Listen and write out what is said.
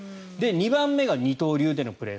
２番目が二刀流でのプレー。